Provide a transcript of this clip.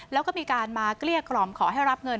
แล้วก็มีการมาเกลี้ยกล่อมขอให้รับเงิน